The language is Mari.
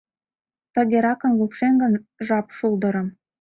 Тыгеракын лупшем гын жап-шулдырым.